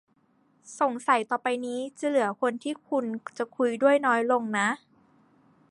สงสัยต่อไปนี้ จะเหลือคนที่คุณจะคุยด้วยน้อยลงนะ